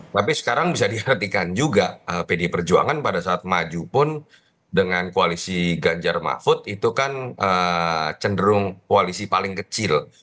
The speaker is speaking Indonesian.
tapi sekarang bisa dihatikan juga pdi perjuangan pada saat maju pun dengan koalisi ganjar mahfud itu kan cenderung koalisi paling kecil